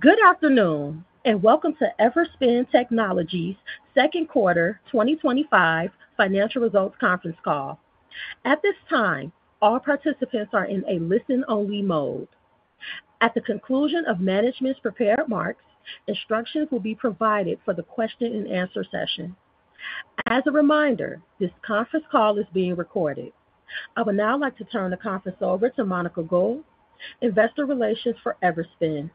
Good afternoon and welcome to Everspin Technologies' Second Quarter 2025 Financial Results conference Call. At this time, all participants are in a listen-only mode. At the conclusion of management's prepared remarks, instructions will be provided for the question and answer session. As a reminder, this conference call is being recorded. I would now like to turn the conference over to Monica Gould, Investor Relations for Everspin.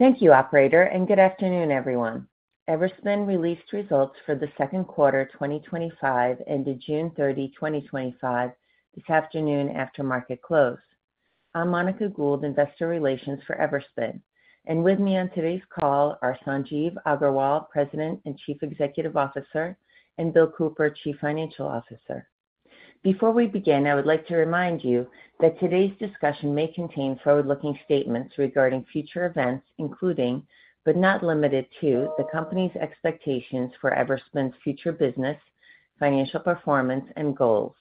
Thank you, operator, and good afternoon, everyone. Everspin released results for the second quarter 2025 ended June 30, 2025, this afternoon after market close. I'm Monica Gould, Investor Relations for Everspin, and with me on today's call are Sanjeev Aggarwal, President and Chief Executive Officer, and Bill Cooper, Chief Financial Officer. Before we begin, I would like to remind you that today's discussion may contain forward-looking statements regarding future events, including, but not limited to, the company's expectations for Everspin's future business, financial performance, and goals,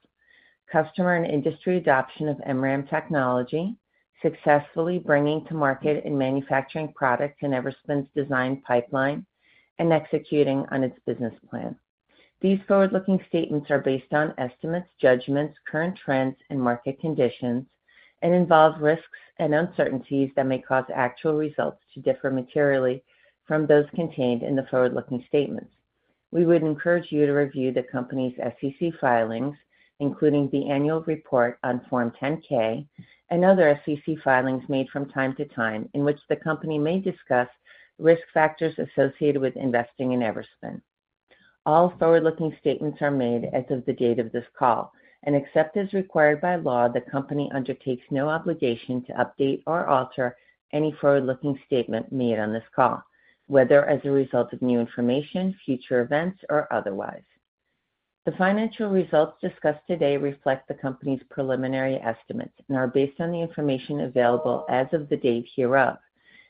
customer and industry adoption of MRAM technology, successfully bringing to market and manufacturing products in Everspin's design pipeline, and executing on its business plan. These forward-looking statements are based on estimates, judgments, current trends, and market conditions, and involve risks and uncertainties that may cause actual results to differ materially from those contained in the forward-looking statements. We would encourage you to review the company's SEC filings, including the annual report on Form 10-K and other SEC filings made from time to time in which the company may discuss risk factors associated with investing in Everspin. All forward-looking statements are made as of the date of this call, and except as required by law, the company undertakes no obligation to update or alter any forward-looking statement made on this call, whether as a result of new information, future events, or otherwise. The financial results discussed today reflect the company's preliminary estimates and are based on the information available as of the date hereof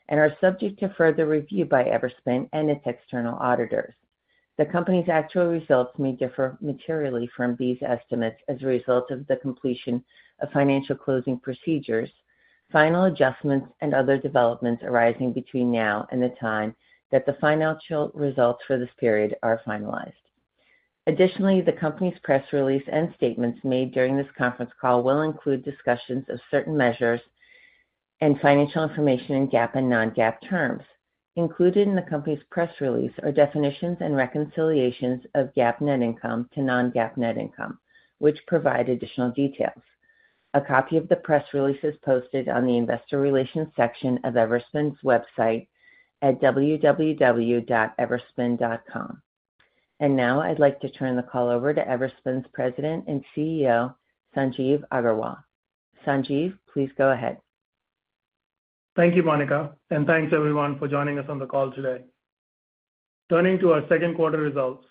and are subject to further review by Everspin and its external auditors. The company's actual results may differ materially from these estimates as a result of the completion of financial closing procedures, final adjustments, and other developments arising between now and the time that the financial results for this period are finalized. Additionally, the company's press release and statements made during this conference call will include discussions of certain measures and financial information in GAAP and non-GAAP terms. Included in the company's press release are definitions and reconciliations of GAAP net income to non-GAAP net income, which provide additional details. A copy of the press release is posted on the Investor Relations section of Everspin's website at www.everspin.com. I would now like to turn the call over to Everspin's President and CEO, Sanjeev Aggarwal. Sanjeev, please go ahead. Thank you, Monica, and thanks, everyone, for joining us on the call today. Turning to our second quarter results,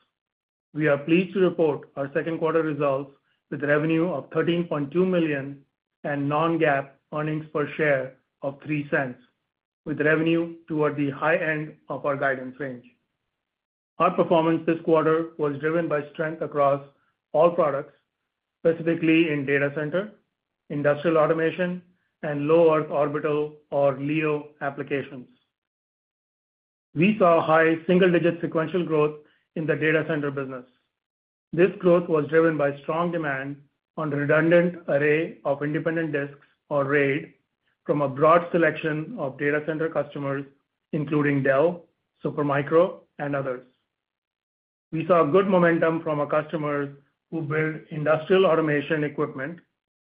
we are pleased to report our second quarter results with revenue of $13.2 million and non-GAAP earnings per share of $0.03, with revenue toward the high end of our guidance range. Our performance this quarter was driven by strength across all products, specifically in data center, industrial automation, and low Earth orbital or LEO applications. We saw high single-digit sequential growth in the data center business. This growth was driven by strong demand on the redundant array of independent disks, or RAID, from a broad selection of data center customers, including Dell, Supermicro, and others. We saw good momentum from our customers who build industrial automation equipment,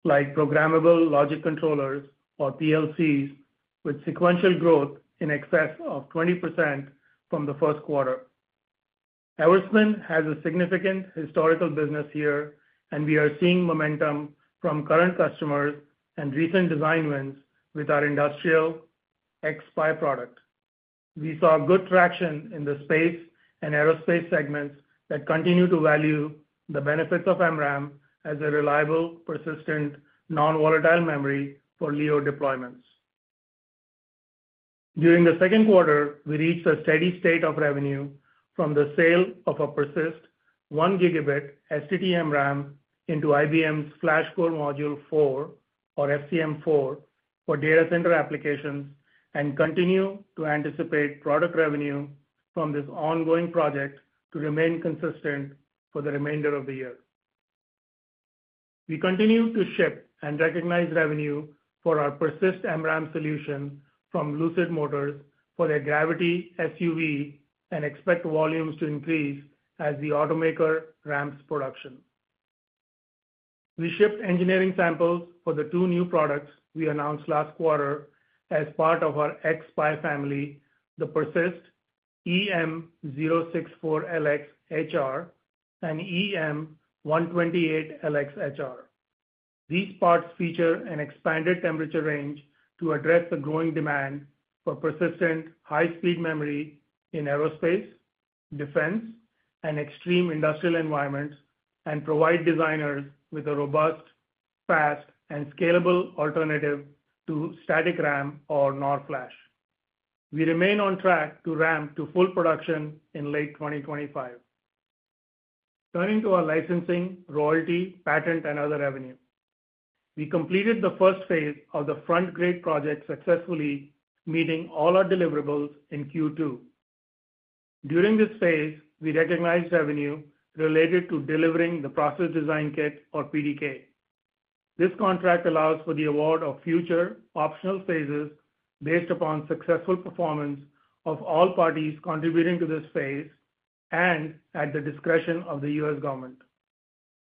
like programmable logic controllers or PLCs, with sequential growth in excess of 20% from the first quarter. Everspin has a significant historical business year, and we are seeing momentum from current customers and recent design wins with our industrial xSPI product. We saw good traction in the space and aerospace segments that continue to value the benefits of MRAM as a reliable, persistent, non-volatile memory for LEO deployments. During the second quarter, we reached a steady state of revenue from the sale of a PERSYST 1 Gb STT-MRAM into IBM's FlashCore Module 4, or FCM4, for data center applications, and continue to anticipate product revenue from this ongoing project to remain consistent for the remainder of the year. We continue to ship and recognize revenue for our PERSYST MRAM solution from Lucid Motors for their Gravity SUV and expect volumes to increase as the automaker ramps production. We shipped engineering samples for the two new products we announced last quarter as part of our xSPI family, the EM064LX HR and EM128LX HR. These parts feature an expanded temperature range to address the growing demand for persistent high-speed memory in aerospace, defense, and extreme industrial environments and provide designers with a robust, fast, and scalable alternative to static RAM or NOR flash. We remain on track to ramp to full production in late 2025. Turning to our licensing, royalty, and other revenue, we completed the first phase of the Frontgrade project successfully, meeting all our deliverables in Q2. During this phase, we recognized revenue related to delivering the process design kit, or PDK. This contract allows for the award of future optional phases based upon successful performance of all parties contributing to this phase and at the discretion of the U.S. government.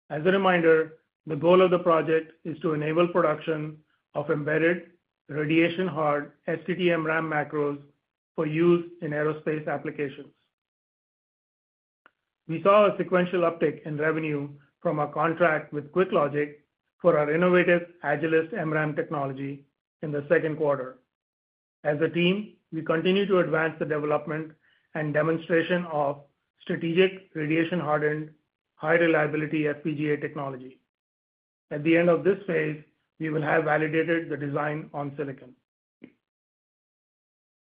As a reminder, the goal of the project is to enable production of embedded radiation-hard STT-MRAM macros for use in aerospace applications. We saw a sequential uptick in revenue from our contract with QuickLogic for our innovative AgILYST MRAM technology in the second quarter. As a team, we continue to advance the development and demonstration of strategic radiation-hardened high-reliability FPGA technology. At the end of this phase, we will have validated the design on silicon.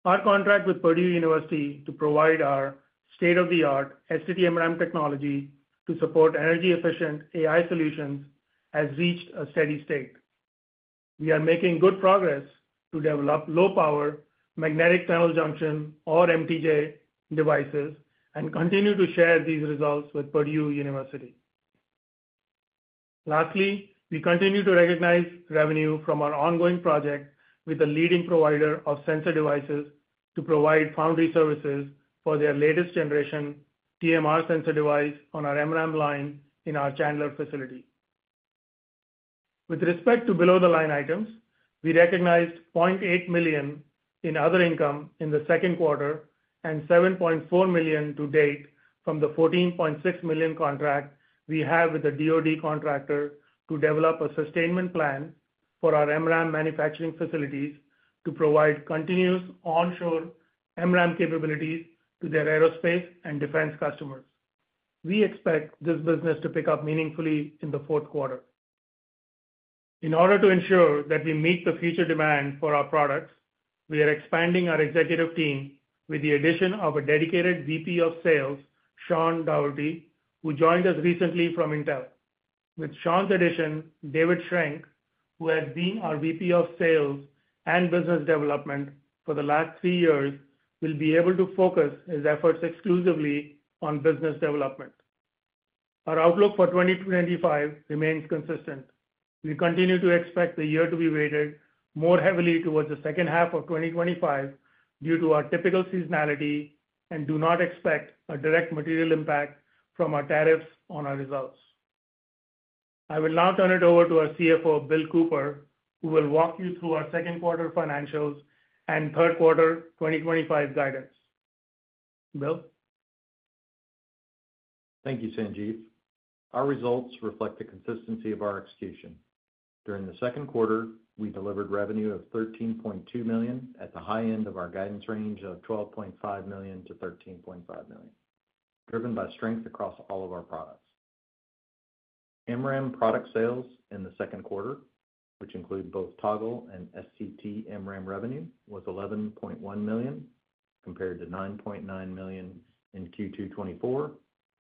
Our contract with Purdue University to provide our state-of-the-art STT-MRAM technology to support energy-efficient AI solutions has reached a steady state. We are making good progress to develop low-power magnetic tunnel junction, or MTJ, devices and continue to share these results with Purdue University. Lastly, we continue to recognize revenue from our ongoing project with the leading provider of sensor devices to provide foundry services for their latest generation TMR sensor device on our MRAM line in our Chandler facility. With respect to below-the-line items, we recognized $0.8 million in other income in the second quarter and $7.4 million to date from the $14.6 million contract we have with the DoD contractor to develop a sustainment plan for our MRAM manufacturing facilities to provide continuous onshore MRAM capabilities to their aerospace and defense customers. We expect this business to pick up meaningfully in the fourth quarter. In order to ensure that we meet the future demand for our products, we are expanding our executive team with the addition of a dedicated Vice President of Sales, Sean Dougherty, who joined us recently from Intel. With Sean's addition, David Schrenk, who has been our Vice President of Sales and Business Development for the last three years, will be able to focus his efforts exclusively on business development. Our outlook for 2025 remains consistent. We continue to expect the year to be weighted more heavily towards the second half of 2025 due to our typical seasonality and do not expect a direct material impact from our tariffs on our results. I will now turn it over to our CFO, Bill Cooper, who will walk you through our second quarter financials and third quarter 2025 guidance. Bill? Thank you, Sanjeev. Our results reflect the consistency of our execution. During the second quarter, we delivered revenue of $13.2 million at the high end of our guidance range of $12.5 million-$13.5 million, driven by strength across all of our products. MRAM product sales in the second quarter, which include both Toggle and STT-MRAM revenue, were $11.1 million compared to $9.9 million in Q2 2024,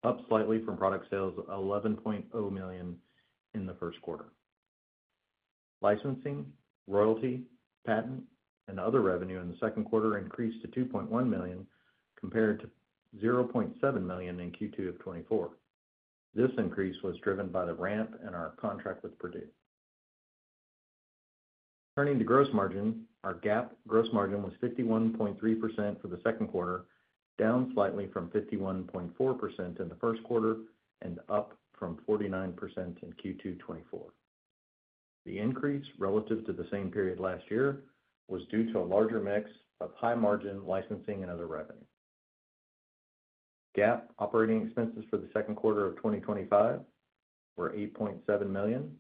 up slightly from product sales of $11.0 million in the first quarter. Licensing, royalty, and other revenue in the second quarter increased to $2.1 million compared to $0.7 million in Q2 2024. This increase was driven by the ramp in our contract with Purdue University. Turning to gross margin, our GAAP gross margin was 51.3% for the second quarter, down slightly from 51.4% in the first quarter and up from 49% in Q2 2024. The increase relative to the same period last year was due to a larger mix of high margin licensing and other revenue. GAAP operating expenses for the second quarter of 2025 were $8.7 million,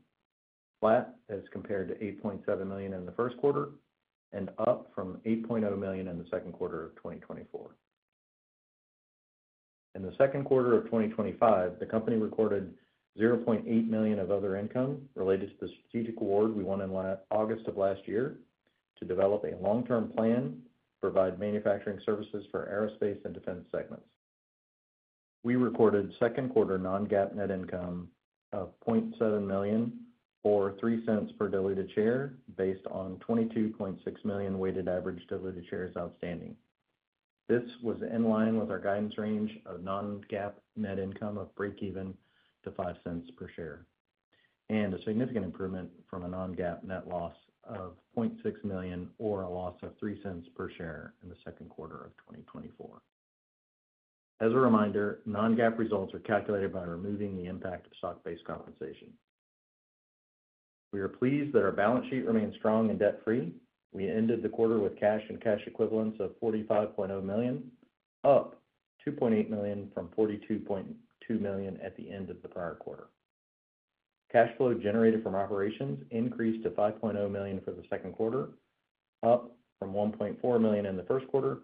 flat as compared to $8.7 million in the first quarter and up from $8.0 million in the second quarter of 2024. In the second quarter of 2025, the company recorded $0.8 million of other income related to the strategic award we won in August of last year to develop a long-term plan to provide manufacturing services for aerospace and defense segments. We recorded second quarter non-GAAP net income of $0.7 million or $0.03 per diluted share based on 22.6 million weighted average diluted shares outstanding. This was in line with our guidance range of non-GAAP net income of breakeven to $0.05 per share and a significant improvement from a non-GAAP net loss of $0.6 million or a loss of $0.03 per share in the second quarter of 2024. As a reminder, non-GAAP results are calculated by removing the impact of stock-based compensation. We are pleased that our balance sheet remains strong and debt-free. We ended the quarter with cash and cash equivalents of $45.0 million, up $2.8 million from $42.2 million at the end of the prior quarter. Cash flow generated from operations increased to $5.0 million for the second quarter, up from $1.4 million in the first quarter,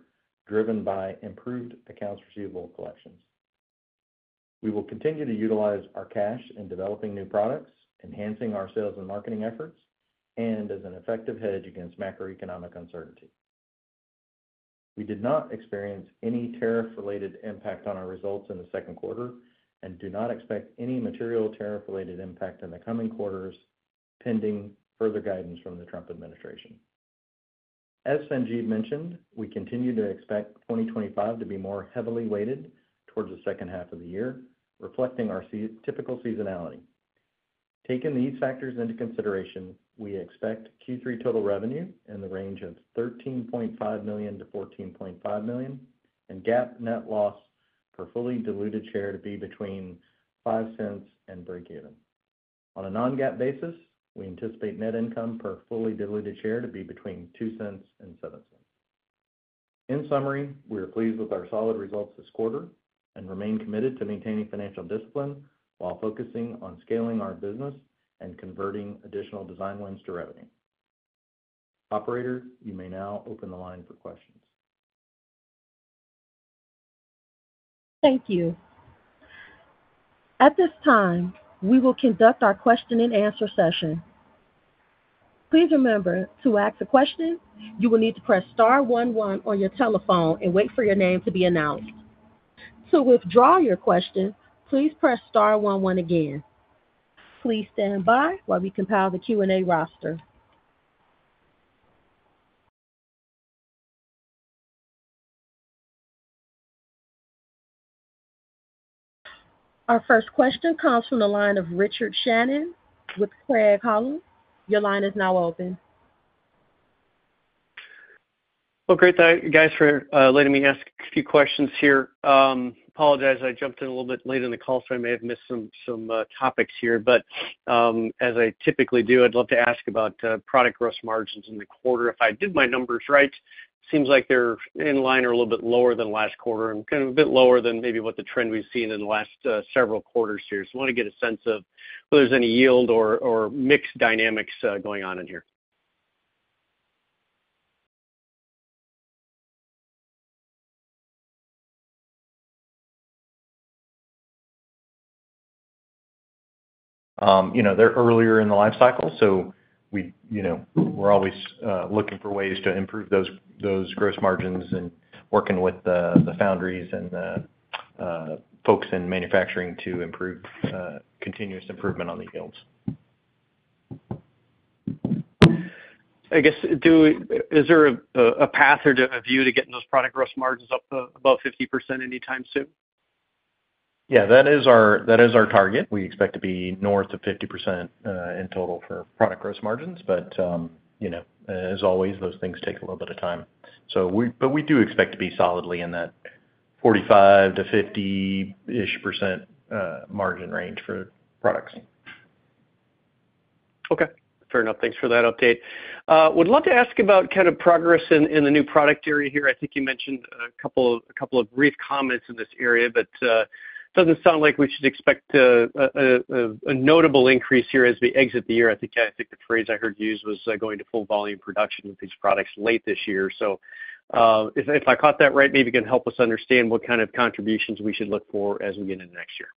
driven by improved accounts receivable collections. We will continue to utilize our cash in developing new products, enhancing our sales and marketing efforts, and as an effective hedge against macroeconomic uncertainty. We did not experience any tariff-related impact on our results in the second quarter and do not expect any material tariff-related impact in the coming quarters pending further guidance from the Trump administration. As Sanjeev mentioned, we continue to expect 2025 to be more heavily weighted towards the second half of the year, reflecting our typical seasonality. Taking these factors into consideration, we expect Q3 total revenue in the range of $13.5 million-$14.5 million and GAAP net loss per fully diluted share to be between $0.05 and breakeven. On a non-GAAP basis, we anticipate net income per fully diluted share to be between $0.02 and $0.07. In summary, we are pleased with our solid results this quarter and remain committed to maintaining financial discipline while focusing on scaling our business and converting additional design wins to revenue. Operator, you may now open the line for questions. Thank you. At this time, we will conduct our question and answer session. Please remember to ask a question, you will need to press *11 on your telephone and wait for your name to be announced. To withdraw your question, please press *11 again. Please stand by while we compile the Q&A roster. Our first question comes from the line of Richard Shannon with Craig-Hallum. Your line is now open. Thank you for letting me ask a few questions here. I apologize, I jumped in a little bit late in the call, so I may have missed some topics here. As I typically do, I'd love to ask about product gross margins in the quarter. If I did my numbers right, it seems like they're in line or a little bit lower than last quarter and kind of a bit lower than maybe what the trend we've seen in the last several quarters here. I want to get a sense of whether there's any yield or mixed dynamics going on in here. You know. They're earlier in the lifecycle, so we're always looking for ways to improve those gross margins and working with the foundries and the folks in manufacturing to improve continuous improvement on the yields. Is there a path or a view to getting those product gross margins up above 50% anytime soon? Yeah, that is our target. We expect to be north of 50% in total for product gross margins. As always, those things take a little bit of time. We do expect to be solidly in that 45%-50% margin range for products. Okay, fair enough. Thanks for that update. I would love to ask about kind of progress in the new product area here. I think you mentioned a couple of brief comments in this area, but it doesn't sound like we should expect a notable increase here as we exit the year. I think the phrase I heard used was going to full volume production with these products late this year. If I caught that right, maybe you can help us understand what kind of contributions we should look for as we get into next year.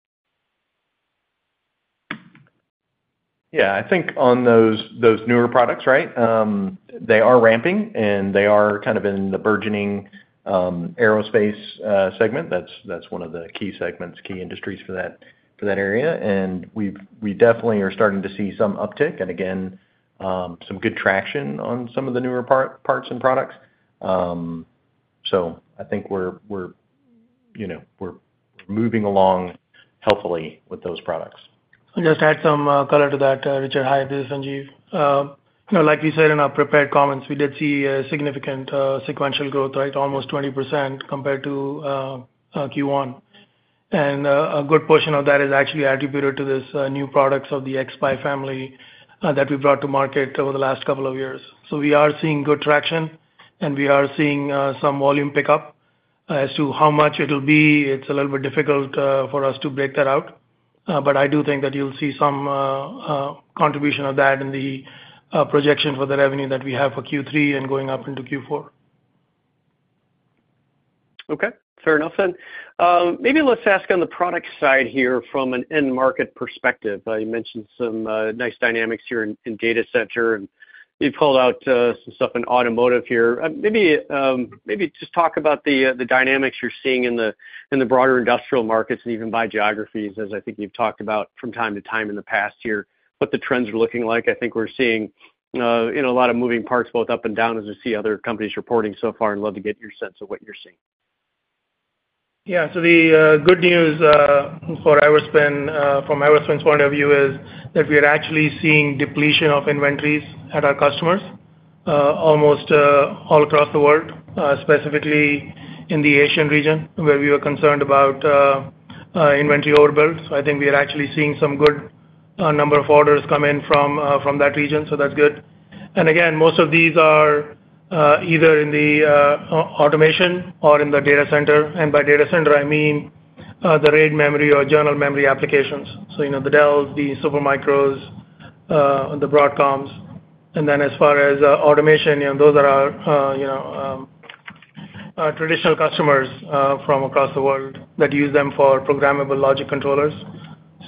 Yeah, I think on those newer products, right, they are ramping and they are kind of in the burgeoning aerospace segment. That's one of the key segments, key industries for that area. We definitely are starting to see some uptick and again, some good traction on some of the newer parts and products. I think we're moving along healthily with those products. I'll just add some color to that, Richard. Hi, this is Sanjeev. Like we said in our prepared comments, we did see significant sequential growth, right, almost 20% compared to Q1. A good portion of that is actually attributed to these new products of the xSPI family that we brought to market over the last couple of years. We are seeing good traction and we are seeing some volume pickup. As to how much it'll be, it's a little bit difficult for us to break that out. I do think that you'll see some contribution of that in the projection for the revenue that we have for Q3 and going up into Q4. Okay, fair enough then. Maybe let's ask on the product side here from an end market perspective. You mentioned some nice dynamics here in data center and you've pulled out some stuff in automotive here. Maybe just talk about the dynamics you're seeing in the broader industrial markets and even by geographies, as I think you've talked about from time to time in the past here, what the trends are looking like. I think we're seeing a lot of moving parts both up and down as we see other companies reporting so far. I'd love to get your sense of what you're seeing. Yeah, the good news for Everspin, from Everspin's point of view, is that we are actually seeing depletion of inventories at our customers almost all across the world, specifically in the Asian region where we were concerned about inventory overbuilds. I think we are actually seeing some good number of orders come in from that region, so that's good. Most of these are either in the automation or in the data center. By data center, I mean the RAID memory or journal memory applications. You know the Dells, the Supermicros, the Broadcoms. As far as automation, those are our traditional customers from across the world that use them for programmable logic controllers.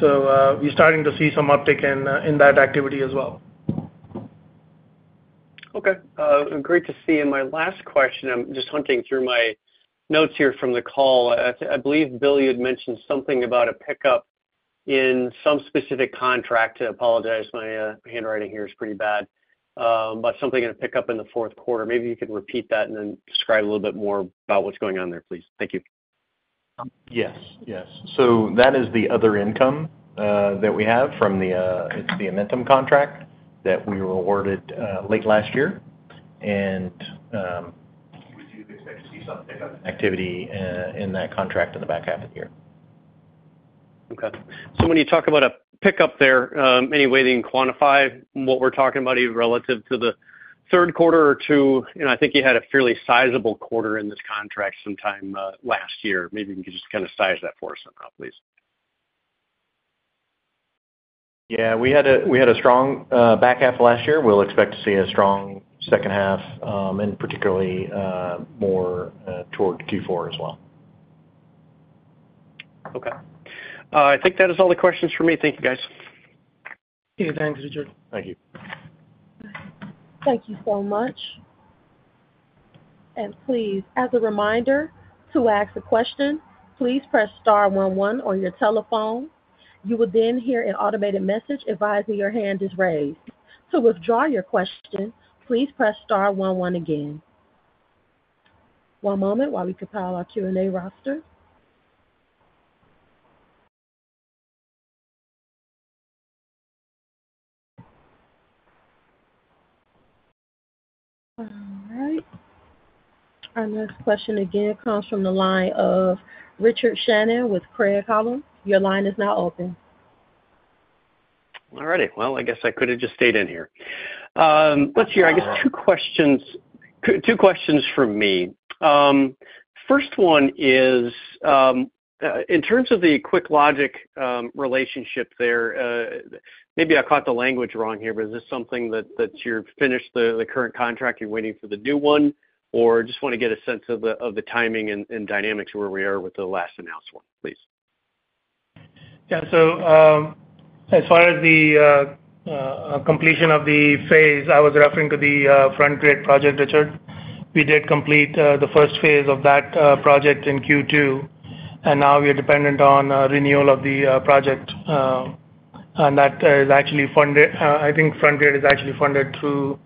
We're starting to see some uptick in that activity as well. Okay, great to see. My last question, I'm just hunting through my notes here from the call. I believe Bill had mentioned something about a pickup in some specific contract. I apologize, my handwriting here is pretty bad, but something in a pickup in the fourth quarter. Maybe you can repeat that and then describe a little bit more about what's going on there, please. Thank you. Yes, yes. That is the other income that we have from the, it's the Amentum contract that we were awarded late last year and activity in that contract in the back half of the year. Okay, when you talk about a pickup there, any way that you can quantify what we're talking about relative to the third quarter or two? I think you had a fairly sizable quarter in this contract sometime last year. Maybe you can just kind of size that for us somehow, please. Yeah, we had a strong back half of last year. We expect to see a strong second half, particularly more toward Q4 as well. Okay, I think that is all the questions for me. Thank you, guys. Any thanks, Richard. Thank you. Thank you so much. Please, as a reminder, to ask a question, please press *11 on your telephone. You will then hear an automated message advising your hand is raised. To withdraw your question, please press *11 again. One moment while we compile our Q&A roster. All right. Our next question again comes from the line of Richard Shannon with Craig Hallum. Your line is now open. All right. I guess I could have just stayed in here. Let's hear two questions from me. First one is, in terms of the QuickLogic relationship there, maybe I caught the language wrong here, but is this something that you've finished the current contract, you're waiting for the new one, or just want to get a sense of the timing and dynamics of where we are with the last announced one, please? Yeah, as far as the completion of the phase, I was referring to the Frontgrade Technologies project, Richard. We did complete the first phase of that project in Q2, and now we are dependent on renewal of the project. That is actually funded, I think Frontgrade Technologies is actually funded through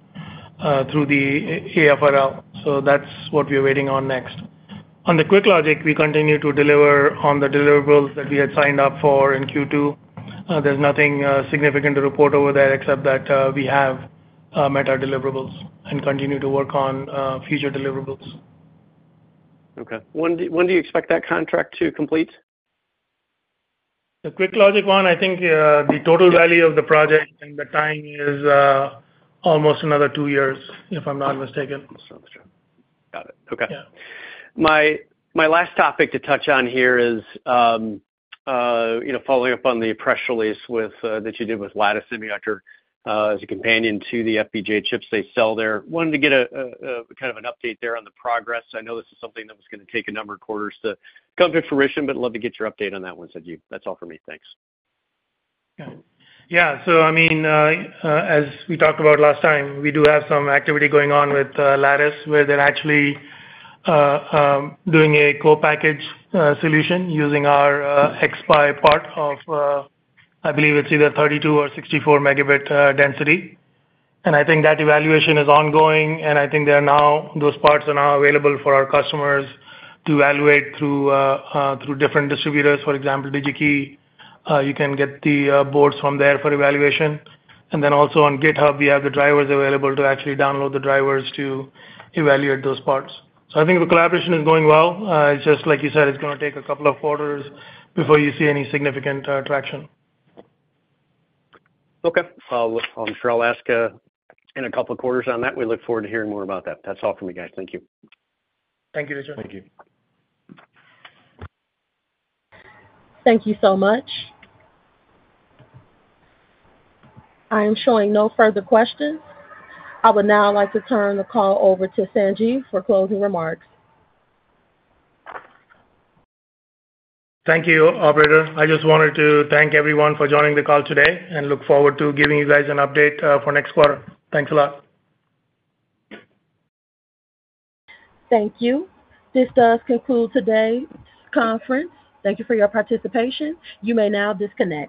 the AFRL. That's what we are waiting on next. On the QuickLogic, we continue to deliver on the deliverables that we had signed up for in Q2. There's nothing significant to report over there except that we have met our deliverables and continue to work on future deliverables. Okay. When do you expect that contract to complete? The QuickLogic one, I think the total value of the project and the time is almost another two years, if I'm not mistaken. Got it. Okay. My last topic to touch on here is, you know, following up on the press release that you did with Lattice Semiconductor as a companion to the FPGA chips they sell there. Wanted to get a kind of an update there on the progress. I know this is something that was going to take a number of quarters to come to fruition, but I'd love to get your update on that one, Sanjeev. That's all for me. Thanks. As we talked about last time, we do have some activity going on with Lattice Semiconductor where they're actually doing a co-package solution using our xSPI part of, I believe it's either 32 Mb or 64 Mb density. I think that evaluation is ongoing, and those parts are now available for our customers to evaluate through different distributors. For example, Digi-Key, you can get the boards from there for evaluation. Also, on GitHub, we have the drivers available to actually download the drivers to evaluate those parts. I think the collaboration is going well. It's just, like you said, it's going to take a couple of quarters before you see any significant traction. Okay. I'm sure I'll ask in a couple of quarters on that. We look forward to hearing more about that. That's all for me, guys. Thank you. Thank you, Richard. Thank you. Thank you so much. I am showing no further questions. I would now like to turn the call over to Sanjeev for closing remarks. Thank you, operator. I just wanted to thank everyone for joining the call today and look forward to giving you guys an update for next quarter. Thanks a lot. Thank you. This does conclude today's conference. Thank you for your participation. You may now disconnect.